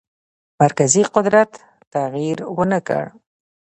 مرکزي قدرت تغییر ونه کړ.